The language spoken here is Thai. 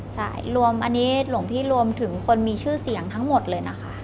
ใช่รวมอันนี้หลวงพี่รวมถึงคนมีชื่อเสียงทั้งหมดเลยนะคะ